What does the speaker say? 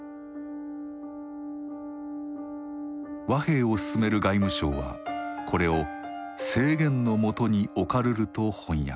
和平を進める外務省はこれを「制限の下に置かるる」と翻訳。